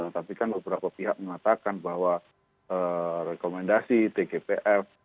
tapi kan beberapa pihak mengatakan bahwa rekomendasi tgpf